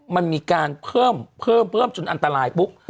มันมีการเพิ่มเพิ่มจนอันตรายปุ๊บ